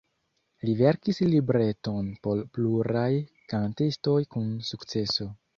Li verkis libreton por pluraj kantistoj kun sukceso.